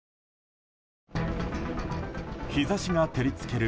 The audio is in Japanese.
日差しが照り付ける